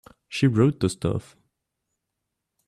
She wrote the stuff.